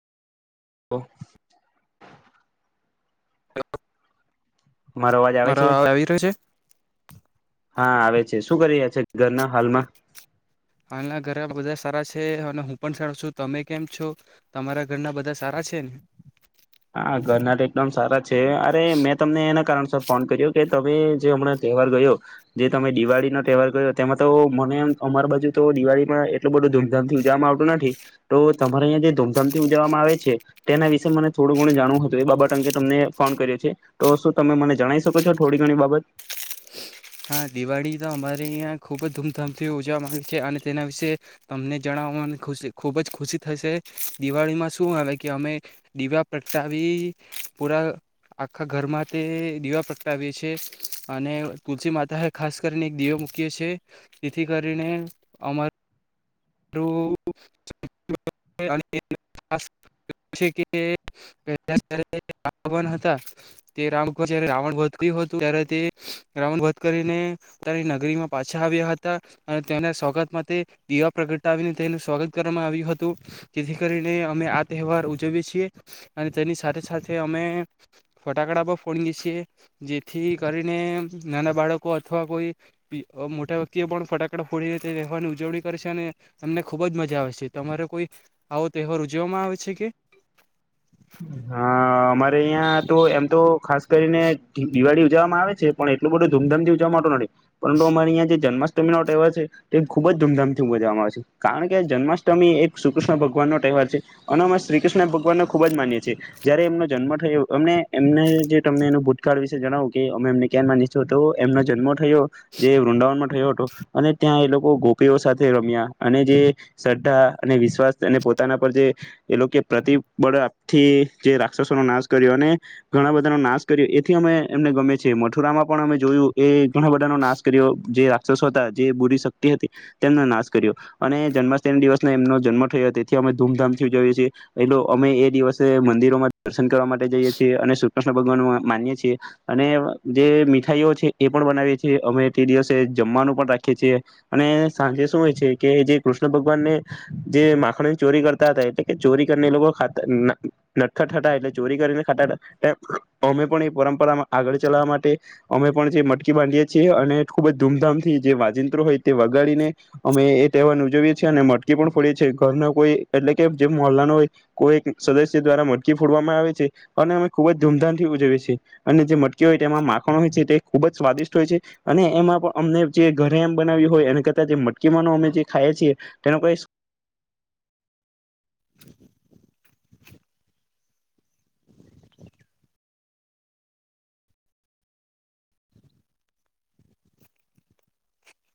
હ. મારો અવાજ આવે છે મારા આવી રહ્યો છે. હા આવે છે શું કરી રહ્યા છે ઘરના હાલમાં? હાલના ઘરમાં બધા સારા છે અને હું પણ સારું છું તમે કેમ છો તમારા ઘરના બધા સારા છે ને? હા ઘરના તો એકદમ સારા છે અરે મેં તમને એના કારણસર ફોન કર્યો કે તમે જે હમણાં તહેવાર ગયો જે તમે દિવાળીનો તહેવાર ગયો તેમાં તો મનેમ અમારા બાજુ તો દિવાળીમાં એટલું બધું ધૂમધામથી ઉજવવામાં આવતું નથી તો તમારે અહીંયા જે ધૂમધામથી ઉજવવામાં આવે છે તેના વિશે મને થોડું ઘણું જાણવું હતું એ બાબત અંગે તમને ફોન કર્યો છે તો શું તમે મને જણાવી શકો છો થોડી ઘણી બાબત હા દિવાળી તો અમારે અહીંયા ખૂબ જ ધૂમધામથી ઉજવવાવામાં આવે છે અને તેના વિશે તમને જણાવવામાં ખુશી ખૂબ જ ખુશી થશે. દિવાળીમાં શું આવે કે અમે દીવા પ્રગટાવી પૂરા આખા ઘરમાં તે દીવા પ્રગટાવીએ છીએ અને તુલસી માતા એ ખાસ કરીને એક દીવો મૂકીયે છે જેથી કરીને અમાર [unintelligible] હતા તે જ રાવણનું વધ થયું હતું ત્યારે તે રાવણ વધ કરીને તેની નગરીમાં પાછા આવ્યા હતા અને તેના સ્વાગતમાં તે દિવા પ્રગટાવીને તેનું સ્વાગત કરવામાં આવ્યું હતું. જેથી કરીને અમે આ તહેવાર ઉજવીએ છીએ અને તેની સાથે સાથે અમે ફટાકડા પણ ફોડીંએ છીએ જેથી કરીને નાના બાળકો અથવા કોઈ મોટા વ્યક્તિઓ પણ ફટાકડા ફોડીને તે તહેવારની ઉજવણી કરે છે. તમે તમને ખુબ જ મજા આવે છે તમારે કોઈ આવો તહેવાર ઉજવવામાં આવે છે કે? હા અમારે અયા તો એમ તો ખાસ કરીને દિવાળી ઉજવામાં આવે છે પણ એટલું બધું ધૂમધામથી ઉજવવામાં આવતું નથી પરંતુ અમારી આયા જે જન્માષ્ટમીનો તહેવાર છે તે ખૂબ જ ધૂમધામથી ઉજવામાં આવે છે કારણ કે જન્માષ્ટમી એક શ્રીકૃષ્ણ ભગવાન નો તહેવાર છે અને અમે શ્રીકૃષ્ણ ભગવાનને ખૂબ જ માનીયે છે. જયારે એમનો જન્મ થયો એમને એમને જે તમને એ ભૂતકાળ વિશે જણાવું કે અમે એમને ક્યા માની તો એમનો જન્મ થયો જે વૃંદાવનમાં થયો હતો અને ત્યાં એ લોકો ગોપીઓ સાથે રમ્યા અને જે શ્રદ્ધા અને વિશ્વાસ અને પોતાના પર જે એ લોકો પ્રતિબળ આપથી જે રાક્ષસોનો નાશ કર્યો અને ઘણા બધાનો નાશ કર્યો એથી અમે એમને ગમે છે મથુરામાં પણ અમે જોયું એ ઘણા બધાનો નાશ કર્યો જે રાક્ષસો હતા જે બુરી શક્તિ હતી તેમનો નાશ કર્યો અને જન્માષ્ટમ દિવસ એમનો જન્મ થયો તેથી અમે ધૂમધામથી જોઈએ છીએ એ અમે એ દિવસે મંદિર માં દર્શન કરવા માટે જઈએ છીએ અને શ્રી કૃષ્ણ ભગવાન માનીએ છીએ અને જે મીઠાઈઓ છે એ પણ બનાવીએ છીએ અમે તે દિવસે જમવાનું પણ રાખીએ છીએ અને સાંજે શું હોય છે કે જે કૃષ્ણ ભગવાનને જે માખણની ચોરી કરતા હતા એટલે કે ચોરી કરીને એ લોકો ખાત નટખટ હતા એટલે ચોરી કરીને ખાતાતા એમ અમે પણ એ પરંપરામાં આગળ ચલાવા માટે અમે પણ જે મટકી બાંધીએ છીએ અને ખુબ જ ધૂમધામથી જે વાજિંત્રો હોય તે વગાડીને અમે એ તહેવાર ઉજવીએ છીએ અને મટકી પણ ફોડીએ છીએ ઘરના કોઈ એટલે કે જે મોલા ન હોય કોઈ સદસ્ય દ્વારા મટકી ફોડવામાં આવે છે અને અમે ખૂબ જ ધૂમધામથી ઉજવીએ છે અને જે મટકી હોય તેમાં માખણ હોય છે તે ખૂબ જ સ્વાદિષ્ટ હોય છે અને એમાં પણ અમને જે ઘરે એમ બનાવ્યું હોય એ કરતા જે મટકી માનો અમે જે ખાઈએ છીએ તેનો કઈ સ [inaudible]